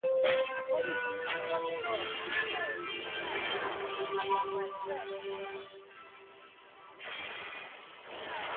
Caruso has a daughter, Greta with his second wife, Rachel Ticotin.